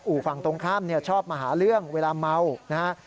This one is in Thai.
อู่ฝั่งตรงข้ามชอบมาหาเรื่องเวลาเมานะฮะ